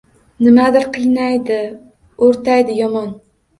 Nimadir qiynaydi, o’rtaydi yomon.